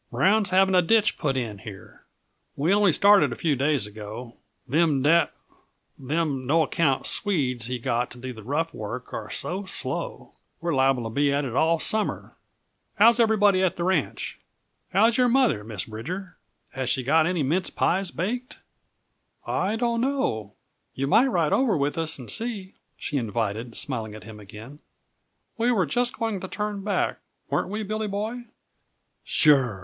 Brown's having a ditch put in here. We only started a few days ago; them da them no account Swedes he got to do the rough work are so slow, we're liable to be at it all summer. How's everybody at the ranch? How's your mother, Miss Bridger? Has she got any mince pies baked?" "I don't know you might ride over with us and see," she invited, smiling at him again. "We were just going to turn back weren't we, Billy Boy?" "Sure!"